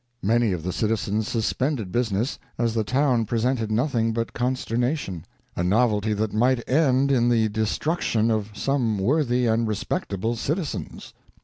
Many of the citizen suspended business, as the town presented nothing but consternation. A novelty that might end in the destruction of some worthy and respectable citizens.